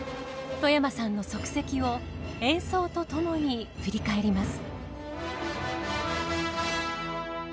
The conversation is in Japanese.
外山さんの足跡を演奏とともに振り返ります。